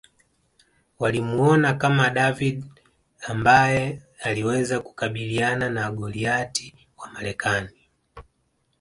Walimuona kama David ambaye aliweza kukabiliana na Goliath wa Marekani